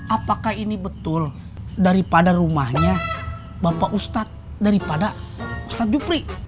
apakah ini betul daripada rumahnya bapak ustadz daripada ustadz jupri